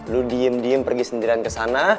lo diem diem pergi sendirian kesana